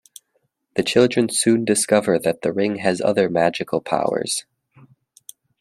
The children soon discover that the ring has other magical powers.